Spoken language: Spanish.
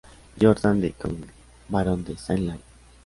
Jordán de Cominges, barón de Saint-Lary.